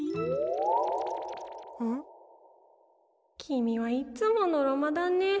きみはいつものろまだね。